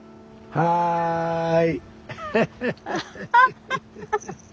はい。